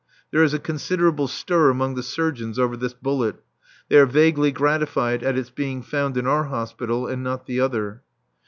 There is a considerable stir among the surgeons over this bullet. They are vaguely gratified at its being found in our hospital and not the other.